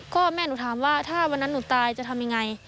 ก็แม่หนูถามว่าถ้าวันนั้นหนูตายจะทำยังไง